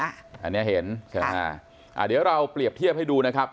อันนี้เห็นใช่ไหมอ่าเดี๋ยวเราเปรียบเทียบให้ดูนะครับ